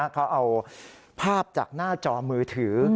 เขาเอาภาพจากหน้าจอมือถือ